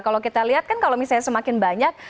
kalau kita lihat kan kalau misalnya semakin banyak